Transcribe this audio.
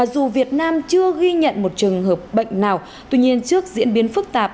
dù việt nam chưa ghi nhận một trường hợp bệnh nào tuy nhiên trước diễn biến phức tạp